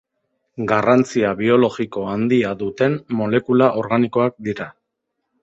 Garrantzia biologiko handia duten molekula organikoak dira.